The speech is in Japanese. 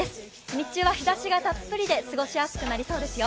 日中は日ざしがたっぷりで過ごしやすくなりそうですよ。